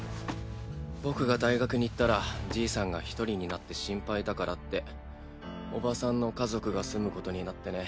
僕が大学に行ったらじいさんが一人になって心配だからって叔母さんの家族が住むことになってね。